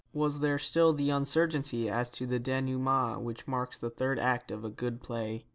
Was there still the uncertainty as to the dénouement which marks the third act of a good play?